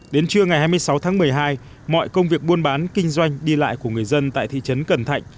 đến trưa ngày hai mươi sáu tháng một mươi hai mọi công việc buôn bán kinh doanh đi lại của người dân tại thị trấn cần thạnh